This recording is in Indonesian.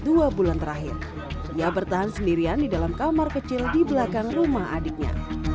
dua bulan terakhir ia bertahan sendirian di dalam kamar kecil di belakang rumah adiknya